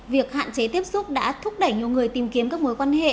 việc hạn chế tiếp xúc đã thúc đẩy nhiều người tìm kiếm các mối quan hệ